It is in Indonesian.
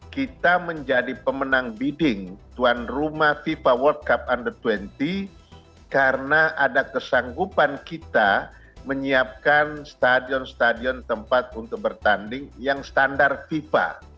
kita menjadi pemenang bidding tuan rumah fifa world cup under dua puluh karena ada kesanggupan kita menyiapkan stadion stadion tempat untuk bertanding yang standar fifa